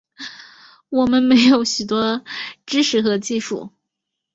我们没有许多知识和技术